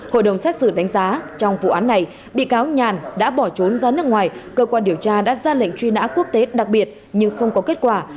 hội đồng xét xử đánh giá trong vụ án này bị cáo nhàn đã bỏ trốn ra nước ngoài cơ quan điều tra đã ra lệnh truy nã quốc tế đặc biệt nhưng không có kết quả